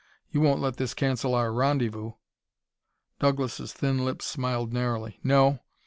You won't let this cancel our rendezvous?" Douglas' thin lips smiled narrowly. "No.